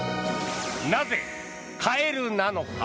なぜ、カエルなのか。